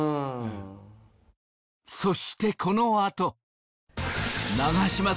そしてこのあと。